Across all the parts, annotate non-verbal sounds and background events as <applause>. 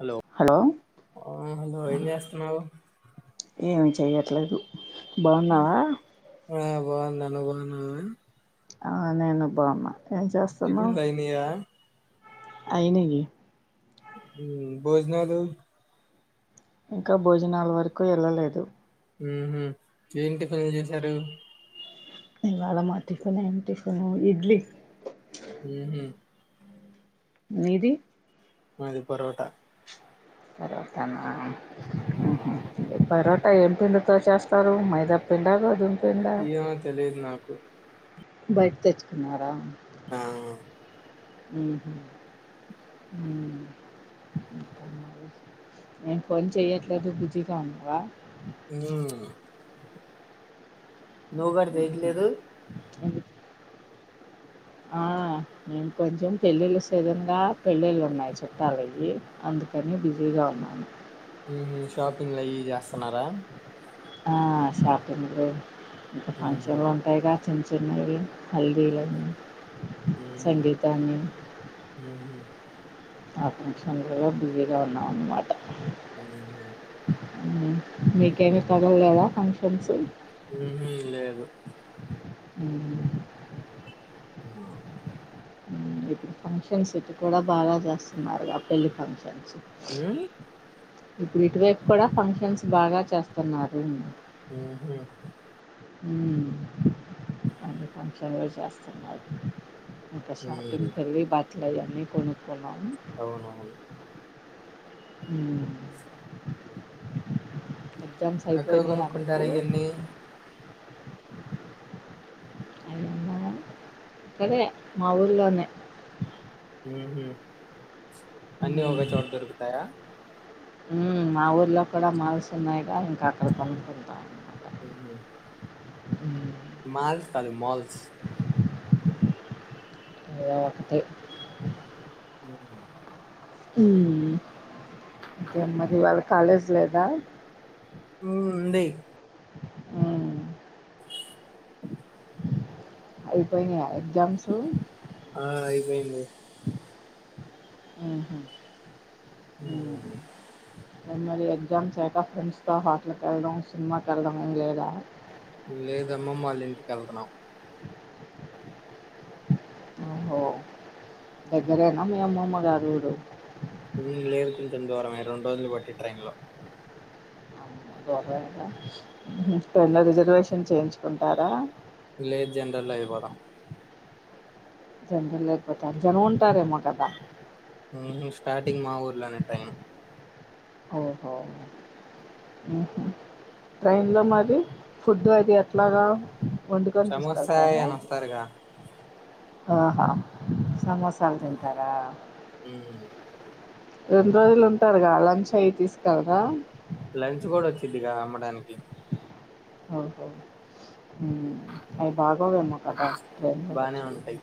Hello చేయట్లేదు బాగున్నావా బాన్న నువ్వు బాన్నావా ఆ నేను బామ్మ టిఫిన్లైనయా అయినవి హు భోజనాలు ఇంకా భోజనాల వరకు వెళ్ళలేదు ఉహు ఏం టిఫిన్లు చేసారు ఇవాళ మా టిఫన్ ఏం టిఫను ఇడ్లీ మ్మ్ మీది మాది పరోట పరోటా నా ఉహు పరోట అ ఏం పిండితో చేస్తారు మైదా పిండా గోధుమ పిండా ఏమా తెలియదు నాకు బయట తెచ్చుకున్నారా ఆహ ఉహు హు ఇంకా మరిఎం ఫోన్ చెయ్యట్లేదదు బిజీగా ఉన్నావా హు నువ్వు కూడా ఉహు చేయట్లేదు ఎందుకు ఆ నేను కొంచెం పెళ్ళిళ్ళ సీజన్ గా పెళ్ళిళ్ళు ఉన్నాయి చుట్టాలయి అందుకని అని బిజీగా ఉన్నాను ఉహు షాపింగ్ అయి యి చేస్తున్నారా ఆ షాపింగ్లు ఇంకా మ్మ్ ఫంక్షన్లు ఉంటాయిగా చిన్న చిన్నవి హల్దీలు మ్మ్ సంగీతాన్ని మ్మ్ ఆ ఫంక్ష లాలో బిజీగా ఉన్నాం అన్నమాట మ్మ్ హు మీకేమి తగలేదా ఫంక్షన్స్ ఉహు లేదు ఉహు <unintelligible> హు ఇప్పుడు ఫంక్షన్స్ ఇటు కూడా బాగా చేస్తున్నారుగా పెళ్లి ఫంక్షన్ కా చెప్పు మ్మ్ ఇప్పుడు ఇటువైపు కూడా ఫంక్షన్స్ బాగా చేస్తున్నారు ఉహు హు అన్ని ఫంక్షన్లో చేస్తున్నారు ఇంకా మ్మ్ షాపింగ్ వెల్లి బట్టలు అయి అన్ని కొనుక్కున్నాను అవునవును ఊ ఎగ్జామ్స్ ఎక్కడ అయిపోయినాయా మీకు కొనుక్కుంటారు అయన్నీ <unintelligible> ఇక్కడే మా ఊరిలోనే అన్నీ మ్మ్. ఒక చోట దొరుకుతాయా మా ఊర్లో కూడా మాల్స్ ఉన్నాయిగా ఇంకా అక్కడ కొనుక్కుంటా ఉహు హు మల్స్ కాదు మల్ల్స్ ఏదో ఒకటి ఉహు హు ఇంకా ఏంది మరి ఇవాళ్ళ కాలేజ్ లేదా ఊ ఉంది <unintelligible> అయిపోయినయా ఆ ఆ అయిపోయింది ఉహు <unintelligible> అడ్ మరీ ఎగ్జామ్స్ అయ క ఫ్రెండ్స్ తో హోటల్కి వెళ్ళడం సినిమాకెళ్ళడం ఏమి లేదా లేదమ్మమ్మ వాళ్ళ ఇంటికి వెళ్తున్నాం ఆహో దగ్గరేనా మీ అమ్మమ్మగారు వూరు ఉమ్, లేదు కొంచెం దూరమే రెండు రోజులు పట్టింది ట్రెైన్ లో బర ఏప్పుడయిన్ ఉమ్ రిజర్వేషన్ చేయించుకుంటారా లేదు జెనరల్ అయిపోదాం జనరల్ ఐపోతా జనన్ స్టార్టింగ్ మా ఊర్లానే ట్రైన్ ఓహో ట్రైన్లో మరి ఫుడ్ అది ఎట్లాగా వండుకని తీసుక సమోసా వెళ్తారా అని వస్తారుగా ఆహా సమోసాలు తింటారా హు రెండు రోజులు ఉంటారుగా లంచ్ అయి తీసుకెల్రా లంచ్ కూడా వచ్చిద్దిగా అమ్మడానికి ఓకే అవి బాగోవేమో కదా ట్రైన్లో బానే వచ్చే ఉంటాయి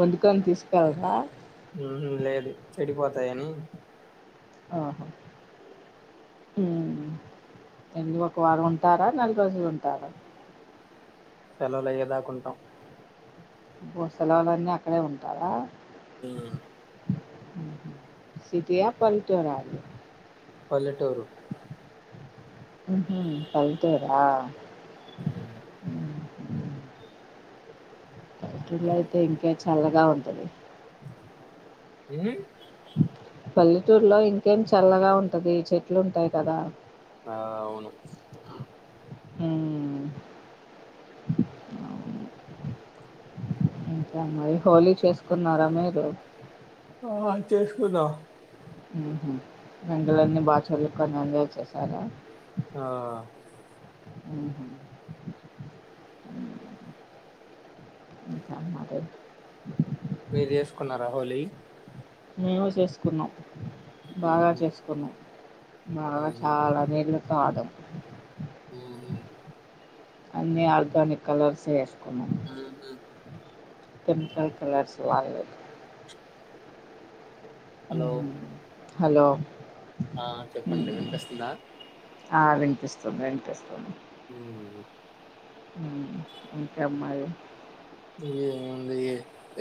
వండుకని తీసుకెలరా లేదు చెడిపోతాయని ఆహో ఉ ఎందు ఒకవారం ఉంటారా నెల రోజులు ఉంటారా సెలవులయ్యేదాకుంటామ్ భూస్థాలాలన్నీ అక్కడే ఉంటాయా ఆ సిటీ ఆ పల్లెటూరు పల్ెటూరు కలిటరా అ ఇల అయితే ఇంకా చల్లగా ఉంటది ఏ పల్లెటూరులో ఇంకేం చల్లగా ఉంటది చెట్లు ఉంటాయి కదా ఆ అవును ఉమ్, అంతే మరి హోలీ చేసుకున్నారా మీరు ఆ చేసుకున్నాం రంగులన్నీ బా చలు కొన్ని ఎంజా చేసారా ఆ అహ మా మీరు చేసుకున్నారా హోలీ మేము చేసుకున్నాం బాగా ఉహు చేసుకున్నాం బగా ఉహు చాలా నీళ్లతో ఆడాను హ అన్ని ఆర్గానిక్ కలర్స్ వేసుకున్నా హ పింపుల్ కలర్స్ వాగుదు హలో హలో ఆ చెప్పండి మ్మ్. వినిపిస్తుందా ఆ వినిపిస్తుంది వినిపిస్తుంది ఉ ఇంకా అమ్మయి ఏ ఉంది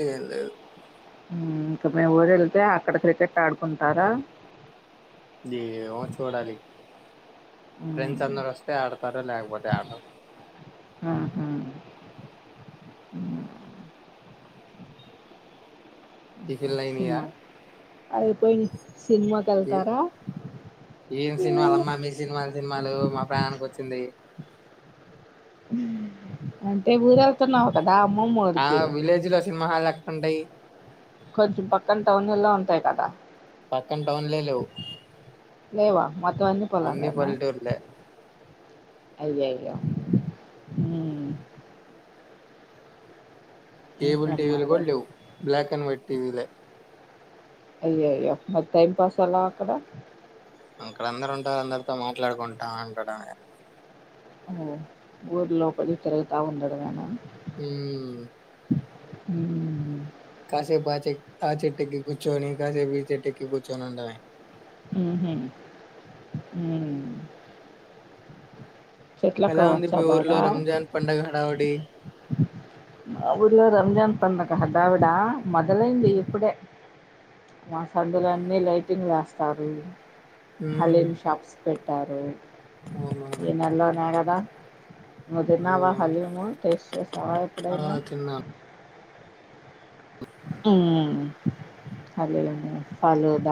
ఏం లేదు ఇంకా మేము ఊరు వెళ్తే అక్కడ క్రికెట్ ఆడుకుంటారా ఏమో చూడాలి మ్మ్. ఫ్రెండ్స్ అందరు వస్తే ఆడతారు లేకపోతే ఆడ ఆ టిఫిన్లు అయినాయి ఆ ఐపోయి ఏ ఏన్ సినిమా మ్మ్. అమామిీ సినిమా సినిమాలు మా ప్రయాణనికి వచ్చింది అంటే ఊర వెళ్తున్నావుట ఆ విలేజ్ లో సినిమా హాలు ఎక్కంటాయి కొంచెం పక్కన టౌన్లా ఉంటాయి కదా పాకాన టౌన్లు ఏం లేవు లేవా మొత్తం అన్నీ పొలా అన్ని కనా పల్లెటూరులే అయ్యా అయ్యో ఇంకా కేబుల్ టీవీలు మరి కూడా లేవు బ్లాక్ అండ్ వైట్ టీవీలే అయ్యో అయ్యో మరి టైం పాస్ అలా అక్కడ ఇక్కడ అందరుూ ఉంటారు అందరితో మాట్లాడుకుంటా అంటడ ఓ ఊర్ లోపలి తిరగుత ఉండడు మనా హ హ కాశేపు చె ఆ చెట్టకి కూచోని కాశేపు ఈ చెట్టకి కూచోని ఉండవ ఉహు హూ చెట్ల ఎలా క్రమా ఉంది చ మీ ఊర్లో బాగా రంజాన్ పండగ హడావుడి ఇలో రంజాన్ పండగ దావిడ మొదలైంది ఇప్పుడే మా సందులు అన్ని లైటింగ్ వేస్ వస్తారు ఉహు హాలీమ్ షాప్స్ పెట్టారు అవునవును ఈ నెలోనే కదా నువ్వు తిన్నావా అవునవును హలిము టేస్ట్ చేస్తావా ఆ ఎప్పుడైనా తిన్నాను మ్మ్ హలీం ఫ్లలూడ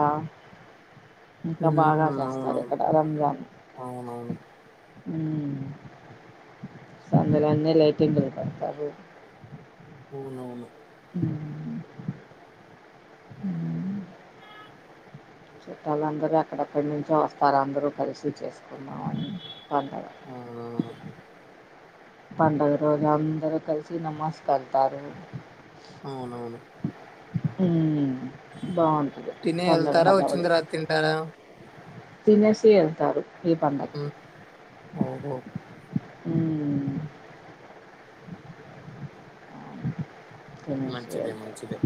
ఇంకా బాగా ఉహు చేస్తారు అవునవును ఇక్కడ రంజాన్ అవునవును సందులు అన్నీ లైటింగులు పెడతారు అవునవును మ్మ్ మ్మ్ చట్టాలుందరూ ఎక్కడెక్కడి నుంచో వస్తారు అందరూ కలిసి చేసుకున్నాంని అందరం అవునవును పండుగ రోజ అందరు కలిసి నమాజ్ కళ్తారు అవునవును మ్మ్ బాగుంటుంది తినే పందగా వెళ్తారా వచ్చిన హడావిడి తర్వాత తింటారా తినేసి వెళ్తారు ఈ పండగకి మ్మ్ ఓహో మ్మ్ మ్మ్ మంచిదే మంచిదే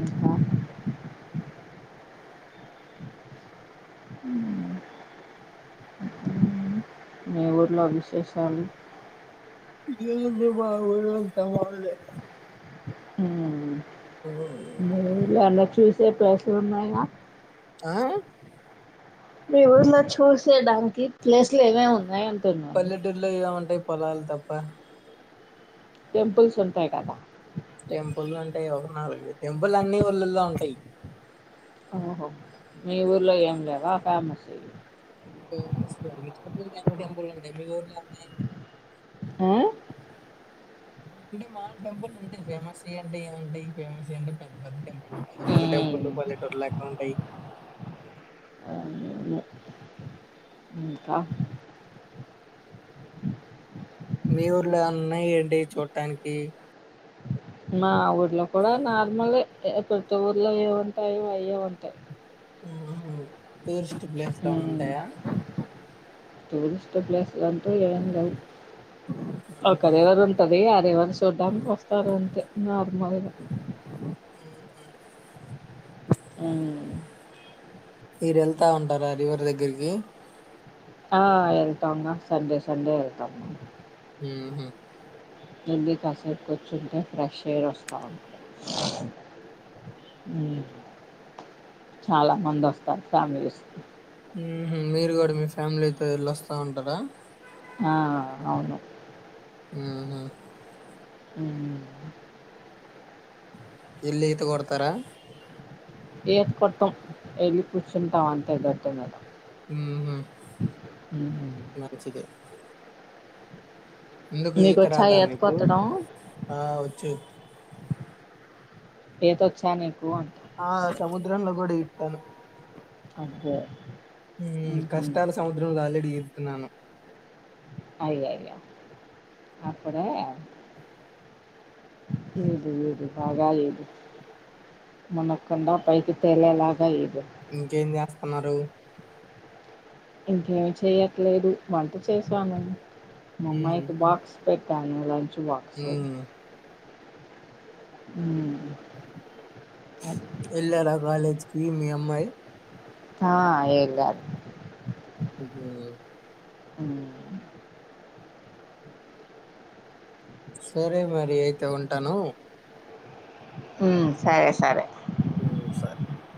ఇంకా మ్మ్ మీ ఊర్లో విశేషాలు ఏంది మా ఊర్లో అంతా మామూలు లే మ్మ్ మీ ఊర్లో అలా చేసే ప్లేసులు ఉన్నాయా ఆ మీ ఊర్లో చూసే దానికి ప్లేస్లు ఏమేం ఉన్నాయి అంటున్నాను పల్లెటూరులో ఏం ఉంటాయి పొలాలు తప్ప టెంపుల్స్ ఉంటాయి కదా టెంపుల్ ఉంటాయి ఒక నాలుగు టెంపుల్ అన్ని ఊళ్ళల్లో ఉంటాయి ఓహో మీ ఊర్లో ఏం లేవా ఫేమస్ ఇవి ఫేమస్ వి అన్ని చోట్ల ఉంటాయి అని టెంపుల్స్ ఉంటాయి మి ఊర్లో ఉన్నాయండి ఉమ్ టెంపుల్స్ అంటే మాములు టెంపుల్స్ ఉంటాయి ఫేమస్యి అంటే ఏం ఉంటాయి ఫేమస్ అంటే పెద్ద పెద్ద టెంపుల్ పెద్ద పెద్ద ఉమ్ టెంపుల్ పల్లెటూర్లో ఎక్కడ ఉంటయి ఉమ్ ఇంకా మీ ఊర్లో ఏమన్నా ఉన్నాయా ఏంటి చూడటానికి మా ఊర్లో కూడా నార్మల్ ఏ ప్రతి ఊర్లో ఏం ఉంటాయో అవే ఉంటాయి ఉహూ టూరిస్ట్ ప్లేస్ లు ఏం అయినా ఉమ్ ఉంటాయా టూరిస్ట్ ప్లేసులంటే ఏం లేవు ఒక మ్మ్. రివర్ ఉంటది ఆ రివర్ చూడడానికి వస్తారు అంతే నార్మల్ గా ఉమ్ మీరు వెళ్తా ఉంటారా రివర్ దగ్గరికి ఆ వెళ్తాంగా సండే సండే వెళ్తాం మేము ఉహూ వెళ్ళి కాసేపు కూర్చుంటే ఫ్రెష్ ఎయిర్ వస్తాది ఉమ్ చాలా మంది వస్తారు ఫ్యామిలీస్ ఉహూ మీరు కూడా మీ ఫ్యామిలీతో వెళ్ళొస్తా ఉంటారా ఆ అవును ఉహూ ఉమ్ వెళ్ళి ఈత కొడతారా ఈత కొట్టం వెళ్ళి కూర్చుంటాం అంటే గట్టు మీద ఉహూ హ్మ్. మంచిదే ఎందుకుఈత "నీకొచ్చా రాదా ఈత మీకు కొట్టడం? ఆ వచ్చు ఈత వచ్చా నీకు అంటా. ఆ సముద్రంలో కూడా ఈదుతాను అబ్బా ఉమ్ కష్టాల సముద్రంలో ఆల్రెడి ఈదుతున్నాను అయ్యయ్యో అప్పుడే లేదు లేదు బాగా లేదు మునక్కుండా పైకి తేలేలాగా ఈది ఇంకేం చేస్తనారు ఇంకేమి చేయట్లేదు వంట చేసాను మా ఊమ్ అమ్మాయికి బాక్స్ పెట్ <unintelligible> లంచ్ బాక్స్ ఊమ్ ఉమ్ వెళ్ళారా కాలేజ్ కి మీ అమ్మాయి ఆ వెళ్ళారు ఊహు ఉమ్ సరే మరి అయితే ఉంటాను ఉమ్ సరే సరే ఉమ్ సరే